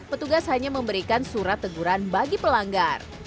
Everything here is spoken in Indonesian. petugas hanya memberikan surat teguran bagi pelanggar